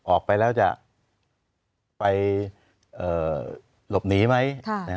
ออกไปแล้วจะไปหลบหนีไหม